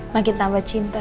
makin tambah cinta